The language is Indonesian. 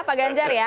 pak ganjar ya